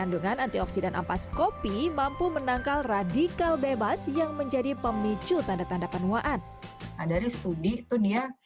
jadi mampu menangkal radikal bebas yang menjadi pemicu tanda tanda penuaan dari studi itu dia